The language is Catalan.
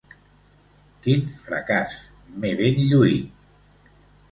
Quin fracàs, m'he ben lluït!